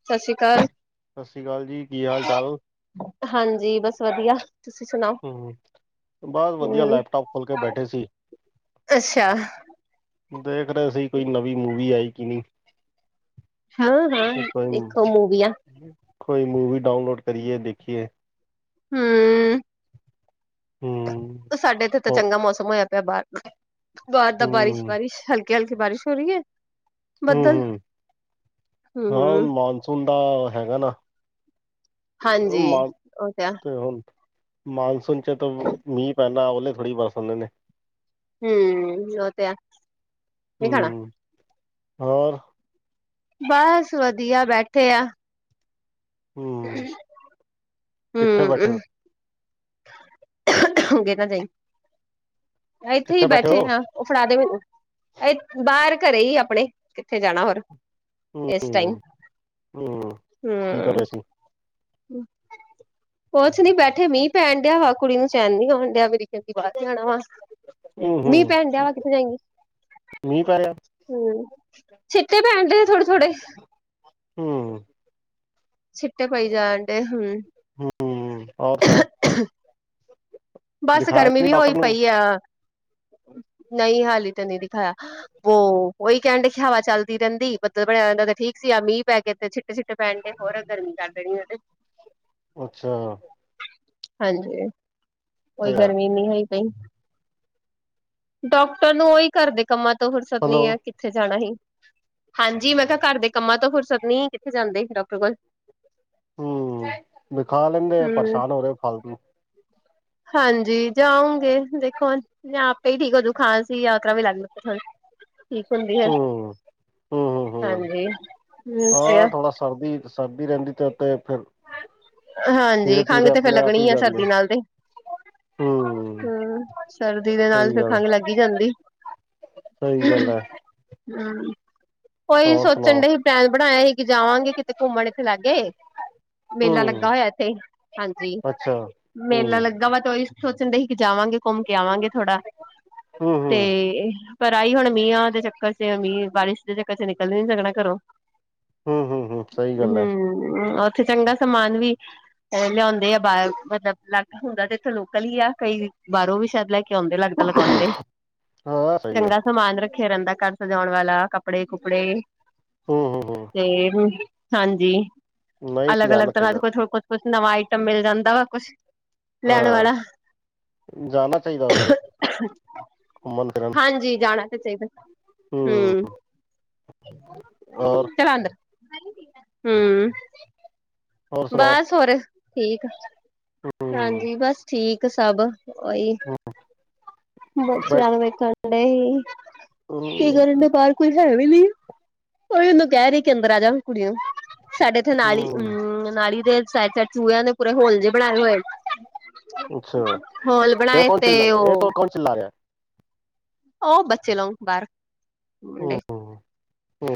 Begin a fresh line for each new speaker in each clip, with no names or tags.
ਸਤਿ ਸ੍ਰੀ ਅਕਾਲ।
ਸਤਿ ਸ੍ਰੀ ਅਕਾਲ ਜੀ ਕੀ ਹਾਲ ਚਾਲ
ਹਾਂਜੀ, ਬਸ ਵਧੀਆ। ਤੁਸੀਂ ਸੁਣਾਓ?
ਹੂੰ ਬਸ, ਵਧੀਆ।
ਹਮ
ਲੈਪਟੋਪ ਖੋਲ ਕੇ ਬੈਠੇ ਸੀ।
ਅੱਛਾ
ਦੇਖ ਰਹੇ ਸੀ। ਕੋਈ ਨਵੀਂ ਮੂਵੀ ਆਈ ਕਿ ਨੀ
ਹਾਂ ਹਾਂ
ਕੋਈ
ਦੇਖੋ ਮੂਵੀਆਂ
ਨੀ--ਕੋਈ ਮੂਵੀ ਡਾਊਨਲੋਡ ਕਰੀਏ ਦੇਖੀਏ।
ਹੂੰ
ਹੂੰ
ਸਾਡੇ ਇੱਥੇ ਤਾਂ
ਹੋ-
ਚੰਗਾ ਮੌਸਮ ਹੋਇਆ ਪਿਆ। ਬਾਹਰ, ਬਾਹਰ ਤਾਂ
ਹੂੰ
ਬਾਰਿਸ਼,
ਹੂੰ
ਬਾਰਿਸ਼ ਹਲ ਕਿਆਲ ਕੀ ਬਾਰਿਸ਼ ਹੋ ਰਹੀ ਹੈ।
ਹੂੰ,
ਬੱਦਲ
ਹੂੰ--ਹਾਂ,
ਹਮ
ਹੁਨ ਮਾਨਸੂਨ ਦਾ ਹੈਗਾ ਨਾ
ਹਾਂਜੀ
ਮ
ਉਹ ਆ
ਤੇ ਹੁਨ ਮਾਨਸੂਨ ਚ ਤਾਂ ਮੀਂਹ ਪੈਂਦਾ। ਓਲੇ ਥੋੜ੍ਹੀ ਬਰਸ ਆਦੇ ਨੇ।
ਹੂੰ, ਓ ਤੇ ਏ। ਕੀ ਖਣਾ
ਹੂੰ ਹੋਰ
ਬਸ, ਵਧੀਆ ਬੈਠੇ ਆ।
ਹੂੰ ਕਿੱਥੇ ਬੈਠੇ ਹੋ
ਹੂੰ ਗੇ ਨਾ ਜਾਈ। ਇੱਥੇ ਹੀ
ਕਿੱਥੇ ਹੋ
ਬੈਠੇ ਹਾਂ। ਉਹ ਫੜਾ ਦੇ ਮੈਨੂੰ ਇ--ਬਾਰ ਘਰੇ ਹੀ ਆਪਣੇ ਕਿੱਥੇ ਜਾਣਾ ਹੋਰ
ਹੂੰ
ਇਸ ਟਾਈਮ।
ਹੂੰ
ਹੂੰ
ਕੀ ਕਰ ਰਹੇ ਸੀ
ਕੁਛ ਨੀ ਬੈਠੇ ਮੀਂਹ ਪੈਣ ਡਿਆ ਵਾ। ਕੁੜੀ ਨੂੰ ਚੈਨ ਨੀ ਆਉਣ ਡਿਆ ਮੇਰੀ ਨੂ ਕੇਂਦੀ ਬਾਰ ਜਾਣਾ ਵਾ।
ਹੂੰ
ਮੀਂਹ ਪੈਣ ਦਿਆ ਵਾ ਕਿਥੇ ਜਾਏਗੀ।
ਮੀਂ ਪੈ ਰੇਖਾ।
ਹੂੰ--ਛਿੱਟੇ ਪੈਨ ਦੇ ਥੋੜੇ, ਥੋੜੇ
ਹੂੰ
ਛਿਟੇ ਪਈ ਜਾਂਡੇ ਹੂੰ
ਹੂੰ--ਹੋਰ ਸਾਓ?
[unintelligible] ਬਸ,
ਦਿਖਾਇਆ
ਗਰਮੀ
ਨੀ
ਵੀ
ਡਾਕਟਰ
ਹੋਈ
ਨੂੰ
ਪਈ ਆ। ਨ‌ਈ, ਹਾਲੀ ਤਾਂ ਨੀ ਦਿਖਾਇਆ ਵੋ ਉਹੀ ਕਹਿਣ ਦੇ ਸੀ ਹਵਾ ਚੱਲਦੀ ਰਹਿੰਦੀ। ਬਦਲ ਬਨਿਆ ਰਹਦਾ ਤੇ ਠੀਕ ਸੀ। ਆ ਮੀਂਹ ਪੈ ਕੇ ਛਿ ਸਿੱਟੇ ਪੈਣ ਤੇ ਹੋਰ ਗਰਮੀ ਕਰ ਦੇਣੀ ਉਹ ਤੇ
ਅੱਛਾ
ਹਾਂਜੀ, ਓਈ
ਤੇ
ਗਰਮੀ ਇਨੀ ਹੋਈ ਪਈ। ਡਾਕਟਰ ਨੂੰ ਉਹੀ ਘਰ ਦੇ ਕੰਮਾਂ ਤੋਂ ਫੁਰਸਤ ਨੀ ਏ
ਹੈਲੋ
ਉੱਥੇ ਜਾਣਾ ਹੀ ਹਾਂਜੀ, ਮੈਂ ਕਿਹਾ- ਘਰ ਦੇ ਕੰਮਾਂ ਤੋਂ ਫੁਰਸਤ ਨੀ ਕਿੱਥੇ ਜਾਂਦੇ ਡੋਕਟਰ ਕੋਲ
ਹੂੰ--ਦਿਖਾ ਲੈਂਦੇ।
ਹੂੰ
ਪਰੇਸ਼ਾਨ ਹੋ ਰਹੇ ਫਾਲਤੂ
ਹਾਂਜੀ, ਜਾਉਂਗੇ ਦੇਖੋ! ਜਾਂ ਆਪੇ ਹੀ ਠੀਕ ਖਾਂਸੀ ਯਕ ਵੀ ਲੱਗ ਲ ਤੁਾਨੂੰ ਠੀਕ ਹੁੰਦੀ ਹੈ।
ਹੂੰ ਹੂੰ ਹੂੰ ਹੂੰ
ਹਾਂਜੀ ਹੂੰ ਤੇ
ਹਾਂ, ਥੋੜਾ ਸਰਦੀ--ਸਰਦੀ ਰਹਿੰਦੀ ਤੇ ਉਤੇ ਫਿਰ
ਹਾਂਜੀ,
ਧੀਰੇ
ਖੰਗ
ਧੀਰੇ
ਤੇ ਫੇਰ
ਆਪਣੇ ਆਪ ਹੀ
ਲੱਗਣੀ ਆ,
ਜਾਂਦੇ
ਸਰਦੀ ਨਾਲ ਤੇ ਹੂੰ, ਸਰਦੀ ਦੇ ਨਾਲ ਫਿਰ ਖੰਗ ਲੱਗੀ ਈ ਜਾਂਦੀ।
ਸਈ ਗੱਲ ਐ।
[unintelligible] ਕੋਈ ਸੋਚਣ
ਸੁਣਾਓ
ਡੇ ਹੀ ਪਲੈਨ ਬਣਾਆ ਹੀ ਕਿ ਜਾਵਾਂਗੇ ਕਿਤੇ ਘੁੰਮਣ ਇੱਥੇ ਲਾਗੇ ਮੇਲਾ ਲੱਗਾ
ਹੂੰ
ਹੋਯਾ ਇੱਥੇ ਹਾਂਜੀ,
ਅੱਛਾ ਹੂੰ
ਮੇਲਾ ਲੱਗਾ ਵਾ ਤੇ ਸੋਚਣ ਡੇ ਹੀ, ਕਿ ਜਾਵਾਂਗੇ ਘੁੰਮ ਕੇ ਆਵਾਂਗੇ ਥੋੜਾ
ਹੂੰ ਹੂੰ
ਤੇ ਪਰ ਆਈ ਹੁਣ ਮੀਯਾਂ ਦੇ ਚੱਕਰ ਚ ਮੀਂਹ, ਬਾਰਿਸ਼ ਦੇ ਚੱਕਰ ਚ ਨਿਕਲ ਵੀ ਨੀ ਸਕਣਾ ਘਰੋਂ।
ਹੂੰ ਹੂੰ ਹੂੰ ਸਹੀ ਗੱਲ ਹੈ
ਹੂੰ, ਓਥੇ ਚੰਗਾ ਸਮਾਨ ਵੀ ਲਿਆਉਂਦੇ ਆ ਬਾਰ ਮਤਲਬ ਅਲੱਗ ਹੁੰਦਾ ਤੇ ਇੱਥੇ ਲੋਕਲ ਹੀ ਆ, ਕਈ ਬਾਰੋਂ ਵੀ ਸ਼ੈਦ ਲੈਕੇ ਆਉਂਦੇ ਲੱਗਦਾ ਲਗਾਉਂਦੇ।
ਹਾਂ ਸਹੀ ਹੈ
ਚੰਗਾ ਸਮਾਨ ਰੱਖਿਆ ਰੈਂਦਾ ਘਰ ਸਜਾਉਣ ਵਾਲਾ। ਕੱਪ ਕੱਪੜੇ-ਕੁਪੜੇ
ਹੂੰ ਹੂੰ ਹੂੰ
ਤੇ, ਹਾਂਜੀ।
ਨਹੀਂ
ਅਲੱਗ-ਅਲੱਗ
ਜਾਣਾ
ਤਰ੍ਹਾਂ ਦੇ
ਚਾਹੀਦਾ
ਕੋ ਕੁਛ-ਕੁਛ ਨਵਾਂ ਆਈਟਮ ਮਿਲ ਜਾਂਦਾ ਵਾ ਕੁਛ। ਲੈਣ
ਹਾਂ,
ਵਾਲਾ
ਜਾਣਾ ਚਾਈਦਾ ਵਾ, ਘੁੰਮਣ-ਫਿਰਨ।
ਹਾਂਜੀ ਜਾਣਾ ਤੇ ਚਾਈਦੈ, ਹੂੰ।
ਔਰ
[unintelligible] ਹੂੰ।
ਹੋਰ ਸੁਣਾਓ
ਬਸ ਹੋਰ ਠੀਕ
ਹੂੰ
ਹਾਂਜੀ, ਬਸ ਠੀਕ ਸਭ, ਓਈ।
[inaudible]
ਬਸ,
ਬੈ
ਬੱਚੇਆਂ ਨੂੰ ਵੇਖਣ ਦਏ
ਹੂੰ
ਹੀ, ਗਲੀ ਦੇ ਬਾਰ ਕੋਈ ਹੈ ਵੀ ਨੀ, ਓਈਯੋ ਤੇ ਕੈਰੀ, ਕਿ ਅੰਦਰ ਆ ਜਾਣ ਕੁੜੀਆਂ ਸਾਡੇ ਏਥੇ ਨਾਲੀ ਹੂੰ, ਨਾਲੀ ਦੇ ਸੈਡ ਚ ਚੂਹਿਆਂ ਨੇ ਪੂਰੇ ਹੋਲ ਜਿਹੇ ਬਣਾਏ ਹੋਏ।
ਅੱਛਾ
ਹੋਲ
ਇਹ
ਬਣਾਏ
ਕੌਣ
ਤੇ
ਚਿੱਲਾ
ਓ
[inaudible]
ਓ ਬੱਚੇ ਨੂੰ ਬਾਰ
ਹੂੰ
ਮੁੰਡੇ-
ਹੂੰ।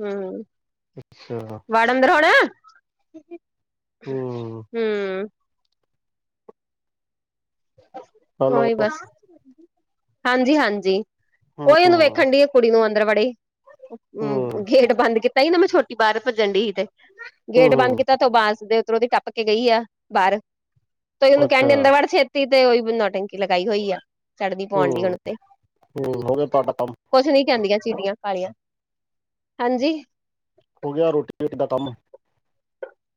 ਹੂੰ,
ਅੱਛਾ
ਵਾੜ ਅੰਦਰ ਹੋਣ।
ਹੂੰ
ਹੂੰ।
ਹੈਲੋ
ਹੋਈ, ਬਸ। ਹਾਂਜੀ-ਹਾਂਜੀ,
ਹੂੰ
ਓਈਓ
ਹੂੰ
ਵੇਖਣ ਡਈ ਆ ਕੁੜੀ ਨੂੰ ਅੰਦਰ ਵੜੇ। ਹੂੰ,
ਹੂੰ
ਗੇਟ ਬੰਦ ਕੀਤਾ ਹੀ ਨਾ ਮੈਂ, ਛੋਟੀ ਬਾਰ ਭੱਜਣ ਡਈ ਹੀ ਤੇ, ਗੇਟ
ਹੂੰ
ਬੰਦ ਕੀਤਾ ਤੋਂ ਬਾਂਸ ਦੇ ਉਤਰੋਂਦੀ ਟੱਪ ਕੇ ਗਈ ਆ ਬਾਰ, ਤੇ ਓਹਨੂੰ
ਅੱਛਾ
ਕੈਂਣ ਡਈ ਅੰਦਰ ਵਾੜ ਫੇਰ ਤੀ ਤੇ ਓਈ ਬ ਨੋਟੰਕੀ ਲਗਾਈ ਹੋਈ ਆ, ਸੜਦੀ ਪੋਣ
ਹੂੰ
ਲਈ ਹੁਣ ਉੱਤੇ।
ਹੂੰ ਹੋ ਗਿਆ ਤੁਹਾਡਾ ਕੰਮ
ਕੁਛ ਨੀ ਕੈਂਦੀਆਂ ਚੀੜੀਆਂ ਕਾਲੀਆਂ, ਹਾਂਜੀ।
ਹੋ ਗਿਆ ਰੋਟੀ-ਰੇਟੀ ਦਾ ਕੰਮ?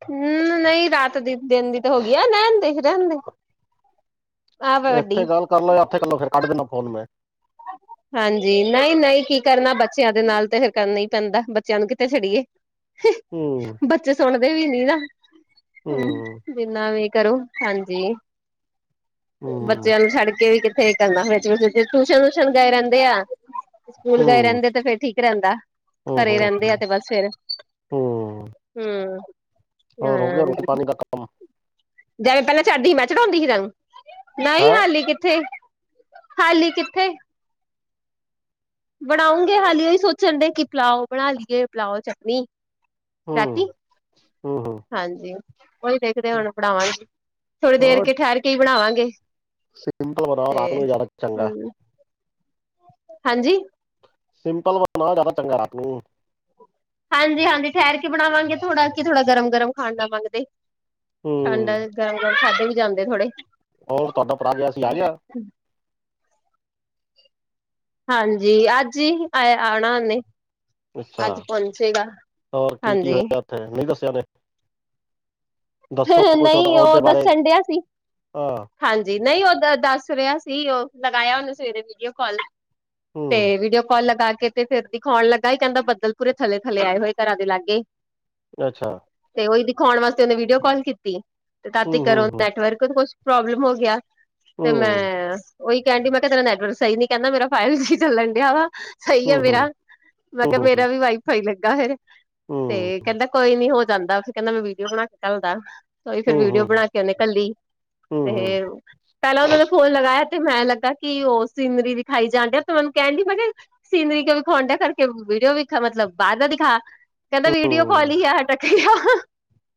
ਹੂੰ, ਨਈਂ ਰਾਤ ਦੀ ਦਿਨ ਦੀ ਤਾਂ ਹੋ ਗਈ ਆ, ਰੈਣਦੇ-ਰੈਣਦੇ।
ਏਥੇ ਗੱਲ ਕਰ ਲਓ ਯਾਂ ਫੇਰ ਓਥੈ ਕੱਟ ਦੇਣਾ ਫੋਨ ਮੈਂ।
ਹਾਂਜੀ ਨਈਂ-ਨਈਂ ਕੀ ਕਰਨਾ, ਬੱਚੇਆਂ ਦੇ ਨਾਲ ਤੇ ਫੇਰ ਕਰਨਾ ਈ ਪੈਂਦਾ, ਬੱਚੇਆਂ ਨੂੰ ਕਿੱਥੇ ਛੱੜੀਏ?
ਹੂੰ
ਬੱਚੇ ਸੋਂਣਦੇ ਵੀ ਨੀ ਨਾ, ਹੂੰ। ਜਿੰਨਾ ਵੀ ਕਰੋ ਹਾਂਜੀ,
ਹੂੰ
ਬੱਚੇਆਂ ਨੂੰ ਛੱਡ ਕੇ ਵੀ ਕਿੱਥੇ ਕਰਦਾ ਫੇਰ ਟੂਸ਼ਨ-ਵੂਸ਼ਨ ਗਏ ਰੈਂਦੇ ਆ, ਸਕੂਲ ਗਏ
ਹੂੰ
ਰੈਂਦੇ ਤੇ, ਫੇਰ ਠੀਕ ਰੈਂਦਾ।
ਹੋ
ਘਰੇ
ਹੋ
ਰੈਂਦੇ ਆ ਤੇ, ਬਸ ਫੇਰ,
ਹੂੰ
ਹੂੰ।
ਹੋਰ ਹੋ ਗਿਆ ਰੋਟੀ
ਹਾਂ,
ਪਾਣੀ ਦਾ ਕੰਮ
ਜਵੇ ਪੈਲਾਂ ਚੜਦੀ ਹੀਂ, ਮੈਂ ਚੜਾਉਂਦੀ ਸੀ ਤੈਨੂੰ? ਨਈਂ
ਹੈ
ਹਾਲੀ ਕਿੱਥੇ, ਹਾਲੀ ਕਿੱਥੇ? ਬਣਾਉਂਗੇ ਹਾਲੀ ਓਹੀ ਸੋਚਣ ਡੇ ਕਿ ਪਿਲਾਓ ਬਣਾ ਲਈਏ, ਪਿਲਾਓ-ਚਟਨੀ
ਹੂੰ
ਰਾਤੀ।
ਹੂੰ ਹੂੰ
ਹਾਂਜੀ। ਓਹੀ ਦੇਖਦੇ ਹੁਣ ਬਣਾਵਾਂਗੇ, ਥੋੜੀ ਦੇਰ
ਹਾਂ
ਕੇ ਠਹਰ ਕੇ ਈ ਬਣਾਵਾਂਗੇ।
ਸਿੰਪਲ ਬਨਾਓ,
ਤੇ
ਰਾਤ ਨੂੰ ਜਾਦਾ ਚੰਗਾ।
ਹਮ ਹਾਂਜੀ।
ਸਿੰਪਲ ਵਾ ਨਾ ਜ਼ਿਆਦਾ ਚੰਗਾ ਰਾਤ ਨੂੰ।
ਹਾਂਜੀ-ਹਾਂਜੀ ਠਹਿਰ ਕੇ ਬਣਾਵਾਂਗੇ ਥੋੜਾ ਕਿ ਥੋੜਾ ਗਰਮ-ਗਰਮ ਖਾਣ ਦਾ ਮੰਗਦੇ, ਠੰਡ
ਹੂੰ
ਗਰਮ-ਗਰਮ ਖਾਧੇ ਵੀ ਜਾਂਦੇ ਥੋੜੇ
ਹੋਰ ਤੁਹਾਡਾ ਭਰਾ ਗਿਆ ਸੀ ਆਗਿਆ,
ਹਾਂਜੀ ਅੱਜ ਹੀ ਆ ਆਣਾ ਉਹਨੇ,
ਅੱਛਾ
ਅੱਜ ਪਹੁੰਚੇਗਾ, ਹਾਂਜੀ।
ਮੇਨੂੰ ਨਹੀ ਦੱਸਿਆ ਉਹਨੇ। ਕੁਝ ਉਹਦਾ
ਨਹੀਂ ਉਹ
ਉਹਦੇ ਬਾਰੇ
ਦੱਸਣ ਡਿਆ ਸੀ।
ਹਾਂ
ਹਾਂਜੀ ਨਹੀਂ ਉਹ ਦੱਸ ਰਿਹਾ ਸੀ ਉਹ ਲਗਾਇਆ ਉਹਨੇ ਸਵੇਰੇ ਵੀਡੀਓ ਕਾਲ। ਤੇ
ਹੂੰ
ਵੀਡੀਓ ਕਾਲ ਲਗਾ ਕੇ, ਤੇ ਫੇਰ ਦਿਖਾਉਣ ਲੱਗਾ ਹੀ ਕਹਿੰਦਾ ਬੱਦਲ ਪੂਰੇ ਥੱਲੇ- ਥੱਲੇ ਆਏ ਹੋਏ ਘਰਾਂ ਦੇ ਲਾਗੇ,
ਅੱਛਾ।
ਤੇ ਉਹੀ ਦਿਖਾਉਣ ਵਾਸਤੇ ਉਹਨੇ ਵੀਡੀਓ ਕਾਲ ਕੀਤੀ ਤੇ ਤਾਤੀ
ਹੂੰ
ਕਰੋ,
ਹੂੰ ਹੂੰ
ਨੈਟਵਰਕ ਤੋਂ ਕੁਛ ਪ੍ਰੋਬਲਮ ਹੋ ਗਿਆ, ਤੇ
ਹੂੰ
ਮੈਂ ਉਹੀ ਕਹਿਣ ਡਈ ਮੈਂ ਕਿਹਾ ਤੇਰਾ ਨੈਟਵਰਕ ਸਹੀ ਨਹੀ ਕਹਿੰਦਾ ਮੇਰਾ ਫਾਈਬ ਜੀ ਚੱਲਣ ਡਿਆ ਵਾ। ਸਹੀ ਆ
ਹੂੰ ਹੂੰ
ਮੇਰਾ, ਮੈਂ
ਹੂੰ
ਕਿਹਾ ਮੇਰਾ ਵੀ ਵਾਈਫ ਹੀ ਲੱਗਾ ਫੇਰ। ਤੇ
ਹੂੰ
ਕਹਿੰਦਾ ਕੋਈ ਨੀ ਹੋ ਜਾਂਦਾ ਫਿਰ ਕਹਿੰਦਾ ਮੈਂ ਵੀਡੀਓ ਬਣਾ ਕੇ ਘਲਦਾ ਕੋਈ ਫੇਰ
ਹੂੰ ਹੂੰ ਹੂੰ
ਵੀਡੀਓ ਬਣਾ ਕੇ ਕਹਿੰਦੇ ਕੱਲੀ,
ਹੂੰ
ਤੇ ਪਹਿਲਾਂ ਉਹਨਾਂ ਦਾ ਫੋਨ ਲਗਾਇਆ ਤੇ ਮੈਂ ਲੱਗਾ ਕਿ ਉਹ ਸੀਨਰੀ ਦਿਖਾਈ ਜਾਂਣ ਡਿਆ ਤੇ ਮੈਨੂੰ ਕਹਿਣ ਡਈ ਮੈਂ ਕਿਹਾ, ਸੀਨਰੀ ਕਿਉਂ ਵਿਖੌਣ ਡਿਆ ਕਰਕੇ ਵੀਡੀਓ ਵੀਖਾ ਮਤਲਬ ਬਾਹਰ ਦਾ ਦਿਖਾ, ਕਹਿੰਦਾ ਵੀਡੀਓ ਕਾਲ ਹੀ ਆ ਟਕ ਆ,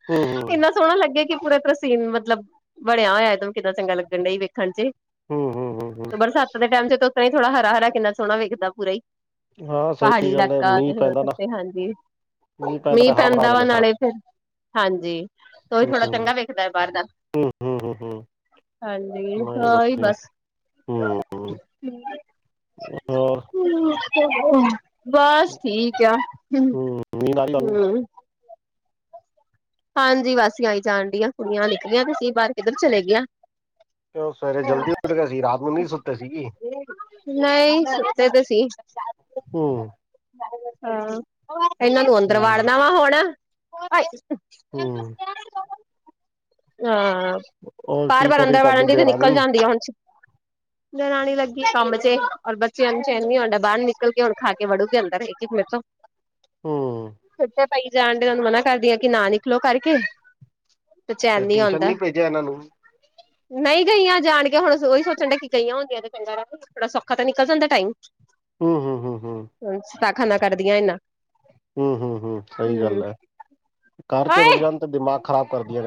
ਹੂੰ
ਇੰਨਾ ਸੋਹਣਾ ਲੱਗਿਆ ਕਿ ਪੂਰਾ ਤਰ੍ਹਾਂ ਸੀਨ ਮਤਲਬ ਬਣਿਆ ਹੋਇਆ ਇਹਦੋਂ ਕਿੱਦਾਂ ਚੰਗਾ ਲੱਗਣ ਡ ਹੀ ਵੇਖਣ ਚ,
ਹੂੰ ਹੂੰ
ਤੇ
ਹੂੰ।
ਬਰਸਾਤ ਦੇ ਟੈਮ ਚ ਤਾ ਥੋੜਾ ਹਰਾ-ਹਰਾ ਕਿੰਨਾ ਸੋਹਣਾ ਵੇਖਦਾ ਪੂਰਾ ਹੀ,
ਹਾਂ
ਪਹਾੜੀ
ਸਹੀ ਗੱਲ ਹੈ
ਇਲਾਕਾ ਤੇ
ਮੀਂਹ
ਫਿਰ ਹੋ
ਪੈਂਦਾ ਨਾ
ਸਕਦੇ ਹਾਂਜੀ। ਮੀਂਹ
ਤਾਂ ਹਰਾ ਭਰਾ ਹੋ
ਪੈਂਦਾ ਵਾ
ਜਾਂਦਾ ਸਾਰਾ
ਨਾਲੇ ਫਿਰ ਹਾਂਜੀ ਉਹੀ
ਹੂੰ
ਥੋੜਾ ਚੰਗਾ ਵੇਖਦਾ ਹੈ ਬਾਹਰ ਦਾ,
ਹੂੰ ਹੂੰ ਹੂੰ ਹੂੰ
ਹਾਂਜੀ
ਨਹੀਂ
ਅਹੀ
ਵਧੀਆ
ਬਸ,
ਹੂੰ
[inaudible]
ਹੋਰ
ਬਸ ਠੀਕ ਆ ਹੁ,
ਹੂੰ ਨੀਂਦ ਆ ਰਹੀ ਤੁਹਾਨੂੰ
ਹੂੰ। ਹਾਂਜੀ ਵਾਸੀਆ ਆਈ ਜਾਣ ਡੀਆਂ ਕੁੜੀਆਂ ਨਿਕਲੀਆਂ ਤੇ ਅ ਬਾਹਰ ਕਿੱਧਰ ਚਲੇ ਗੲੇ ਆ।
ਤੇ ਸਵੇਰੇ ਜਲਦੀ ਉੱਠ ਗਿਆ ਸੀ ਰਾਤ ਨੂੰ ਨੀ ਸੁੱਤੇ ਸੀਗੀ।
ਨਈ ਸੁਤੇ ਤੇ ਸੀ।
ਹੂੰ।
ਹਾਂ, ਏਨਾਂ ਨੂੰ ਅੰਦਰ
ਹੂੰ
ਵਾੜਨਾ ਵਾ ਹੁਣ।
ਹੂੰ
ਹਾਂ। ਹਾਂ,
ਔਰ
ਪਾਰ
ਕੀ
ਵਾਰ
ਕਰੀ
ਅੰਦਰ ਵੜ
ਤੁਹਾਡੀ
ਜਾਂਦੀ ਤੇ ਨਿਕਲ
ਦੇਰਾਨੀ
ਜਾਂਦੀ ਆ ਹੁਣ ਦਰਾਣੀ ਲੱਗੀ ਕੰਮ ਚੇ ਔਰ ਬੱਚਿਆਂ ਨੂੰ ਚੈਨ ਨੀ ਆਂਦਾ ਬਾਰ ਨਿਕਲ ਕੇ ਹੁਣ ਖਾ ਕੇ ਵੜੂਗੇ ਅੰਦਰ ਇਕ-ਇਕ ਮੇਰੇ ਥੋਂ।
ਹੂੰ
ਉਤੇ ਪਈ ਜਾਣ ਡੇ ਓਨੂੰ ਮਨਾ ਕਰਦੀ ਆ ਕੀ ਨਾ ਨਿਕਲੋ ਕਰਕੇ। ਤੇ ਚੈਨ ਨੀ
ਟਿਊਸ਼ਨ
ਆਉਂਦਾ।
ਭੇਜਿਆ ਇਹਨਾਂ ਨੂੰ
ਨਈ ਗਈਆਂ ਜਾਣ ਕੇ ਹੁਣ ਓਈ ਸੋਚਣ ਡਿਆ ਕਿ ਕਈਆਂ ਹੁੰਦੀਆਂ ਤੇ ਚੰਗਾ [unintelligible] ਥੋੜਾ ਸੌਖਾ ਤਾਂ ਨਿਕਲ ਜਾਂਦਾ ਟਾਈਮ।
ਹੂੰ-ਹੂੰ। ਹੂੰ-ਹੂੰ।
ਸ਼ਤਾਖਾਂ ਨਾ ਕਰਦੀਆਂ ਏਨਾਂ।
ਹੂੰ-ਹੂੰ-ਹੂੰ ਸਈ ਗੱਲ ਐ ਘਰ ਚ
ਓਏ
ਰੁਕ ਜਾਣ ਤੇ ਦਿਮਾਗ ਖ਼ਰਾਬ ਕਰਦੀਆਂ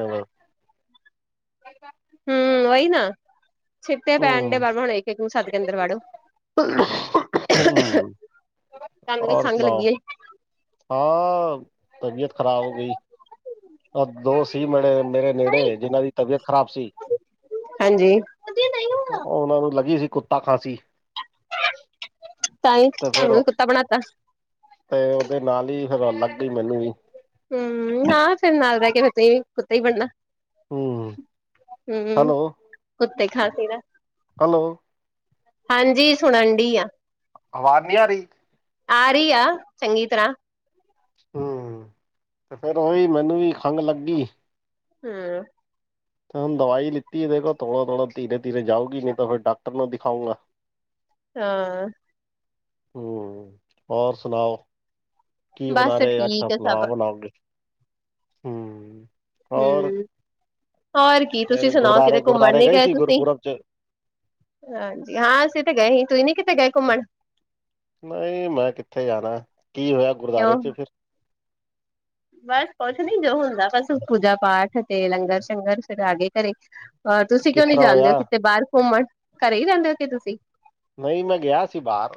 [unintelligible]
ਹੂੰ ਵਈ ਨਾ ਛਿੱਟੇ ਪੈਣ ਡੇ
ਹੂੰ
[unintelligible] ਹੁਣ ਇੱਕ ਸੱਦ ਕੇ ਅੰਦਰ ਵਾੜੋ।
ਹੂੰ
ਤਾਂਨੂੰ ਵੀ
ਔਰ
ਖੰਘ
ਸੁਣਾਓ
ਲੱਗੀ ਏ।
ਹਾਂ ਤਬੀਅਤ ਖ਼ਰਾਬ ਹੋ ਗਈ। ਆ ਦੋ ਸੀ ਮੇੜੇ ਮੇਰੇ ਨੇੜੇ ਜਿਨਾਂ ਦੀ ਤਬੀਅਤ ਖ਼ਰਾਬ ਸੀ।
ਹਾਂਜੀ। ਨਈ [inaudible]
ਓਨਾ ਨੂੰ ਲੱਗੀ ਸੀ ਕੁੱਤਾ ਖਾਸੀ।
ਤਾਂਈ ਤੁਹਾਨੂੰ ਵੀ ਕੁੱਤਾ ਬਣਾ ਤਾ।
ਤੇ ਓਦੇ ਨਾਲ ਈ ਫਿਰ ਲੱਗ ਗਈ ਮੈਨੂੰ ਵੀ।
ਹੂੰ ਹਾਂ ਫੇਰ ਨਾਲ ਰੈ ਕੇ ਫੇਰ ਤੇ ਕੁੱਤਾ ਈ ਬਣਨਾ।
ਹੂੰ
ਹੂੰ
ਹੈਲੋ
ਕੁੱਤੇ ਖਾਂਸੀ ਦਾ।
ਹੈਲੋ।
ਹਾਂਜੀ ਸੁਣਨ ਡਈ ਆ।
ਆਵਾਜ਼ ਨੀ ਆਰੀ।
ਆਰੀ ਆ ਚੰਗੀ ਤਰ੍ਹਾਂ।
ਹੂੰ ਤੇ ਫੇਰ ਓਈ ਮੈਨੂੰ ਵੀ ਖੰਘ ਲੱਗੀ।
ਹੂੰ।
ਤੇ ਹੁਣ ਦਵਾਈ ਲਿੱਤੀ ਦੇਖ ਥੋੜਾ ਥੋੜਾ ਤੀਰੇ-ਤੀਰੇ ਜਾਊਗੀ ਨੀ ਤੇ ਫਿਰ ਡਾਕਟਰ ਨੂੰ ਦਿਖਾਉਂਗਾ।
ਹਾਂ।
ਹੂੰ, ਹੋਰ ਸੁਣਾਓ? ਕੀ
ਬਸ
ਬਣਾ ਰੇ ਅੱਛਾ
ਠੀਕ ਆ
ਪਲਾ
ਸਭ
ਬਣਾਓਗੇ, ਹੂੰ। ਹੋਰ
ਹੂੰ ਹੋਰ ਕੀ ਤੁਸੀਂ
ਫੇਰ
ਸੁਣਾਓ ਕਿਤੇ
ਗੁਰਦੁਆਰੇ
ਘੁੰਮਣ
ਗੁਰਦੁਆਰੇ
ਨੀ ਗਏ
ਸੀ
ਤੁਸੀਂ?
ਗੁਰਪੁਰਬ ਚ
ਹਾਂਜੀ ਹਾਂ, ਅਸੀਂ ਤੇ ਗਏ ਸੀ ਤੁਸੀਂ ਨੀ ਕਿਤੇ ਗਏ ਘੁੰਮਣ?
ਨਈ ਮੈਂ ਕਿੱਥੇ ਜਾਣਾ ਕੀ ਹੋਇਆ
ਕਿਉਂ
ਗੁਰਦੁਆਰੇ ਚ ਫਿਰ
ਬਸ ਕੁੱਛ ਨੀ ਜੋ ਹੁੰਦਾ ਬਸ ਪੂਜਾ ਪਾਠ ਤੇ ਲੰਗਰ-ਸ਼ੰਗਰ ਫਿਰ ਆਗੇ ਘਰੇ। ਹੋਰ ਤੁਸੀਂ
ਕਿਸ
ਕਿਉਂ ਨੀ
ਤਰ੍ਹਾਂ
ਜਾਂਦੇ ਓ
ਹੋਇਆ
ਕਿਤੇ ਬਾਰ ਘੁੰਮਣ ਘਰੇ ਈ ਰੈਂਦੇ ਓ ਕੀ ਤੁਸੀਂ?
ਨਈ ਮੈਂ ਗਿਆ ਸੀ ਬਾਰ।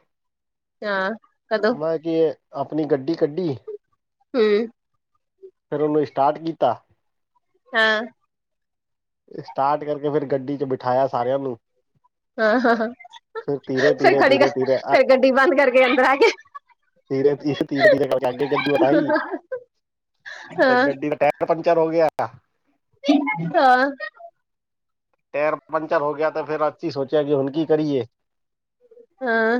ਹਾਂ, ਕਦੋਂ
ਮੈਂ ਕਿਯੇ ਆਪਣੀ ਗੱਡੀ ਕੱਢੀ
ਹੂੰ।
ਫੇਰ ਉਨੂੰ ੲਸਟਾਰਟ ਕੀਤਾ।
ਹਾਂ।
ਸਟਾਰਟ ਕਰਕੇ ਫਿਰ ਗੱਡੀ ਚ ਬਿਠਾਇਆ ਸਾਰਿਆਂ ਨੂੰ।
ਹਾਂ-ਹਾਂ
ਫਿਰ ਧੀਰੇ
ਫੇਰ
ਧੀਰੇ
ਖੜੀ ਕ
ਧੀਰੇ ਧੀਰੇ
ਫਿਰ ਗੱਡੀ ਬੰਦ ਕਰਕੇ ਅੰਦਰ ਆਗੇ।
ਤੀਰੇ-ਤੀਰੇ-ਤੀਰੇ ਕਰਕੇ ਆਗੇ ਗੱਡੀ ਵਦਾਈ ਤੇ
ਹਾਂ
ਗੱਡੀ ਦੇ ਟੈਰ ਪੰਚਰ ਹੋ ਗਿਆ।
ਹਾਂ।
ਟਾਇਰ ਪੰਚਰ ਹੋ ਗਿਆ ਤੇ ਫੇਰ ਅੱਸੀ ਸੋਚਿਆ ਕਿ ਹੁਣ ਕੀ ਕਰੀਏ।
ਹਾਂ।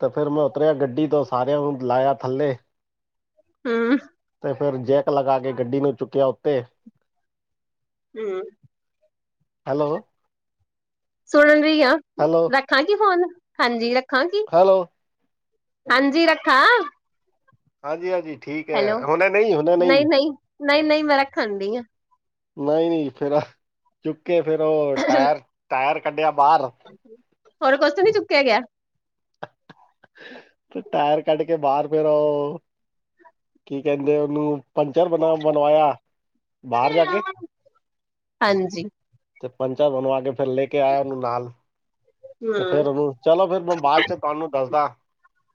ਤੇ ਫਿਰ ਮੈਂ ਉਤਰਿਆ ਗੱਡੀ ਤੋਂ ਸਾਰਿਆਂ ਨੂੰ ਲਾਇਆ ਥੱਲੇ।
ਹੂੰ।
ਤੇ ਫਿਰ ਜੈਕ ਲਗਾ ਕੇ ਗੱਡੀ ਨੂੰ ਚੁੱਕਿਆ ਉੱਤੇ।
ਹੂੰ,
ਹੈਲੋ
ਸੁਨ ਰਿਆਂ।
ਹੈਲੋ।
ਰੱਖਾਂ ਕੀ ਫੋਨ, ਹਾਂਜੀ ਰੱਖਾਂ ਕਿ?
ਹੈਲੋ।
ਹਾਂਜੀ, ਰੱਖਾਂ।
ਹਾਂਜੀ-ਹਾਂਜੀ ਠੀਕ ਐ ਹੁਨੇ ਨਈ, ਹੁਨੇ ਨਈ।
ਨਈ, ਨਈ ਮੈਂ ਰੱਖਨ ਡਈਆਂ।
ਨਈ, ਨਈ ਫੇਰ ਚੁੱਕੇ ਫੇਰ ਓ ਟੈਰ, ਟੈਰ ਕੱਢੇਆ ਬਾਰ।
ਹੋਰ ਕੋਛ ਨੀ ਚੁੱਕੇਆ ਗੇਆ?
ਤੇ ਟੈਰ ਕਾੱਢ ਕੇ ਬਾਰ ਫੇਰ ਓ ਕੀ ਕੈਂਦੇ ਓਨੂੰ, ਪੰਚਰ ਬਨਾ ਬਨਵਾਏਆ। ਬਾਰ ਜਾ ਕੇ
ਹਾਂਜੀ
ਤੇ ਪੰਚਾ ਬਨਵਾ ਕੇ ਫੇਰ ਲੇਕੇ ਆਯਾ ਓਨੂੰ ਨਾਲ।
ਹ [inaudible]
ਤੇ ਫੇਰ ਓਨੂੰ ਚਲੋ ਫੇਰ ਮੈਂ ਬਾਦ ਚ ਤਾਨੂੰ ਦੱਸਦਾ,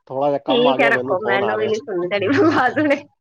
ਥੋੜਾ ਜੇਆ ਕਾੰਮ ਆ
ਠੀਕ ਹੈ
ਗੇਆ ਮੈਨੂੰ
ਰੱਖੋ
ਫੋਨ ਆ ਰੇਐ।
[unintelligible]